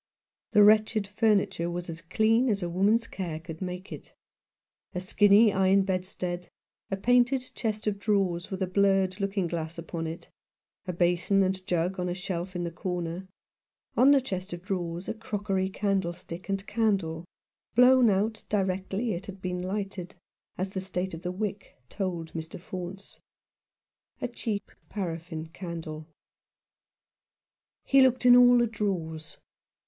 The wretched furniture was as clean as a woman's care could make it ; a skinny iron bed stead ; a painted chest of drawers with a blurred looking glass upon it ; a basin and jug on a shelf in the corner ; on the chest of drawers a crockery candlestick and candle blown out directly it had been lighted, as the state of the wick told Mr. Faunce — a cheap paraffin candle. He looked in all the drawers.